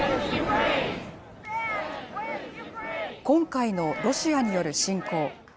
今回のロシアによる侵攻。